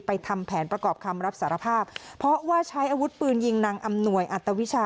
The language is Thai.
ทำแผนประกอบคำรับสารภาพเพราะว่าใช้อาวุธปืนยิงนางอำนวยอัตวิชา